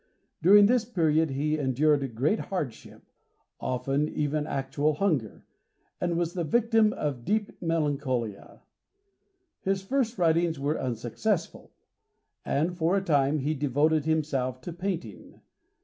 During this period he endured great hardship—often even actual hunger—and was the victim of deep melancholia. His first writings were unsuccessful; and, for a time, he devoted himself to painting.